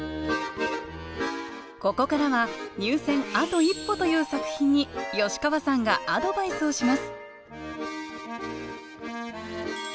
ここからは入選あと一歩という作品に吉川さんがアドバイスをします